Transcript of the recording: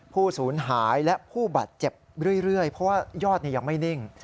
ผู้สูญหายและผู้บาดเจ็บเรื่อยเพราะว่ายอดยังไม่นิ่ง